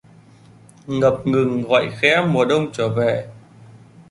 Ngập ngừng gọi khẽ mùa Đông trở về